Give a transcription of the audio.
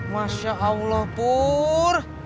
masya allah pur